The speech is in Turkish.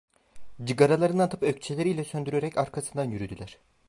Cıgaralarını atıp ökçeleriyle söndürerek arkasından yürüdüler.